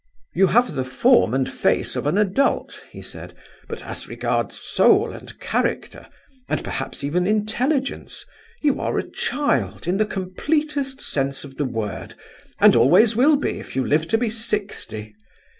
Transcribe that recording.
'You have the form and face of an adult' he said, 'but as regards soul, and character, and perhaps even intelligence, you are a child in the completest sense of the word, and always will be, if you live to be sixty.